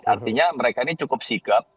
artinya mereka ini cukup sigap